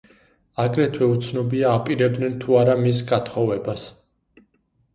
აგრეთვე უცნობია აპირებდნენ თუ არა მის გათხოვებას.